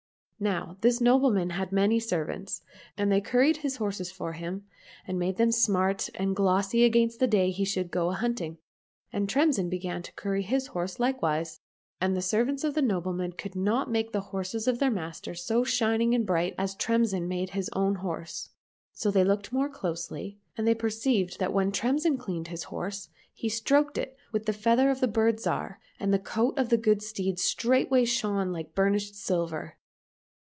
Now this nobleman had many servants, and they curried his horses for him, and made them smart and glossy against the day he should go a hunting. And Tremsin began to curry his horse likewise, and the servants of the nobleman could not make the horses of their master so shining bright as Tremsin made his own horse. So they looked more closely, and they perceived that when Tremsin cleaned his horse he stroked it with the feather of the Bird Zhar, and the coat of the good steed straightway shone like burnished silver.